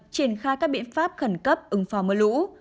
triển khai các biện pháp khẩn cấp ứng phó mưa lũ